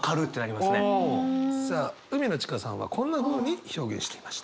さあ羽海野チカさんはこんなふうに表現していました。